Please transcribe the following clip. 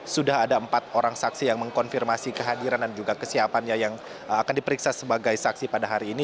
sudah ada empat orang saksi yang mengkonfirmasi kehadiran dan juga kesiapannya yang akan diperiksa sebagai saksi pada hari ini